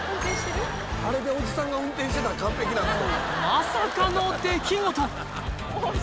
まさかの出来事！